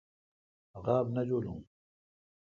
غاب نہ جولوں۔